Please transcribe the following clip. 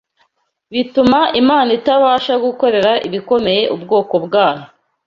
bituma Imana itabasha gukorera ibikomeye ubwoko bwayo.